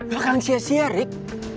bakalan sia sia rid